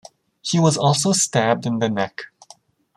He was also stabbed in the neck.